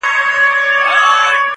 که مېرويس دی، که اکبر، که مسجدي دی!.